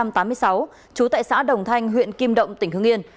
trú tại xã đồng thanh huyện kim động tỉnh hưng yên